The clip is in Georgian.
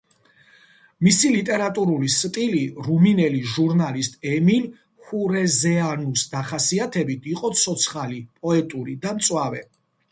მისი ლიტერატურული სტილი, რუმინელი ჟურნალისტ ემილ ჰურეზეანუს დახასიათებით, იყო „ცოცხალი, პოეტური და მწვავე“.